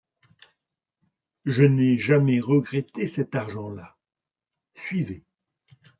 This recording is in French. Je n’ai jamais regretté cet argent-là. — Suivez.